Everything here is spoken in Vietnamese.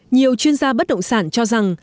nhiều chuyên gia bất động sản cho rằng